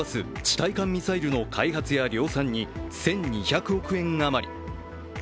対艦ミサイルの開発や量産に１２００億円余り。